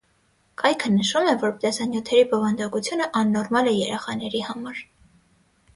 Կայքը նշում է, որ տեսանյութերի բովանդակությունը աննորմալ է երեխաների համար։